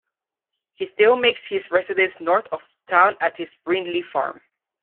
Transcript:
He still makes his residence north of town at his Brindley Farm.